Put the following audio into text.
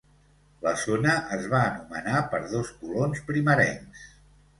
La zona es va anomenar per dos colons primerencs.